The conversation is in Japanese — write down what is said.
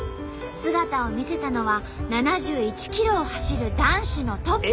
姿を見せたのは７１ｋｍを走る男子のトップ。